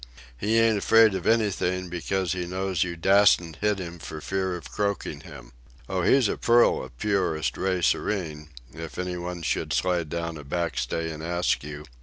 He ain't afraid of anything because he knows you dassent hit him for fear of croaking him. Oh, he's a pearl of purest ray serene, if anybody should slide down a backstay and ask you.